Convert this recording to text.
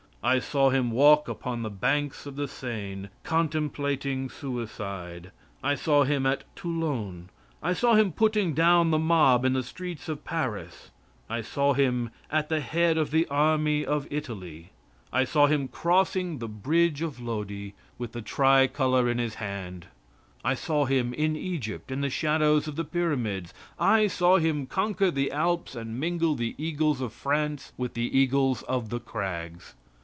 I saw him walk upon the banks of the Seine, contemplating suicide I saw him at Toulon I saw him putting down the mob in the streets of Paris I saw him at the head of the army of Italy I saw him crossing the bridge of Lodi with the tri color in his hand I saw him in Egypt in the shadows of the pyramids I saw him conquer the Alps and mingle the eagles of France with the eagles of the crags.